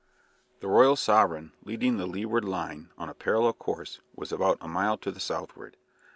The "Royal Sovereign," leading the leeward line on a parallel course, was about a mile to the southward.